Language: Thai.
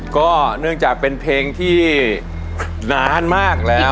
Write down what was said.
ก็เนื่องจากเป็นเพลงที่นานมากแล้ว